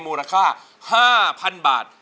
มูลค่า๕๐๐๐บาท